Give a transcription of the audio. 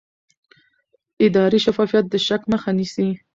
اداري شفافیت د شک مخه نیسي